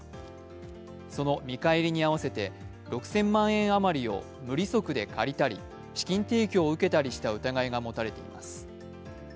その見返りに合わせて６０００万円余りを無利息で借りたり資金提供を受けたりした疑いが持たれています